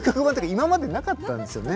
今までなかったですよね。